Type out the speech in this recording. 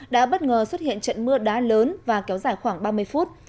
đã bất ngờ xuất hiện trận mưa đá lớn và kéo dài khoảng ba mươi phút